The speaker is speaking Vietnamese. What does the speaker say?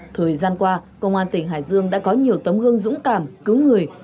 thời gian qua công an tỉnh hải dương đã có nhiều tấm gương dũng cảm cứu người